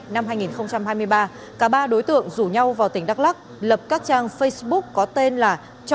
năm hai nghìn hai mươi ba cả ba đối tượng rủ nhau vào tỉnh đắk lắc lập các trang facebook có tên là